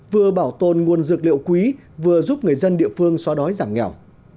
vừa bảo tồn nguồn dược liệu quý vừa giúp người dân địa phương xóa đói giảm nghèo